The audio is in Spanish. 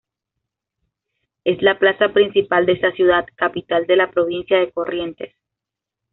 Es la plaza principal de esta ciudad, capital de la Provincia de Corrientes.